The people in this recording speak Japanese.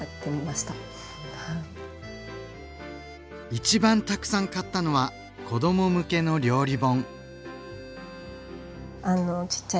一番たくさん買ったのは子ども向けの料理本。